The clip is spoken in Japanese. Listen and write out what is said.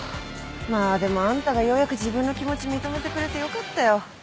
まあでもあんたがようやく自分の気持ち認めてくれてよかったよ。